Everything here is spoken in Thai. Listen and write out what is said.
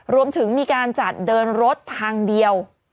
รวมถึงมีการจัดเดินรถทางเดียว